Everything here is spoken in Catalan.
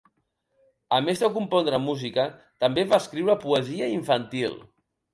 A més de compondre música, també va escriure poesia infantil.